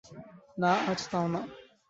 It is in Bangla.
না, আজ তাও না।